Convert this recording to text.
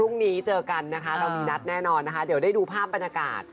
เจอกันนะคะเรามีนัดแน่นอนนะคะเดี๋ยวได้ดูภาพบรรยากาศ